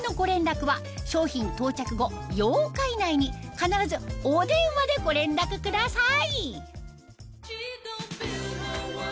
必ずお電話でご連絡ください